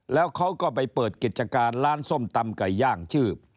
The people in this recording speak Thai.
แล้วเขาก็ไปเปิดกิจการร้านส้มตำไก่ย่างชื่อ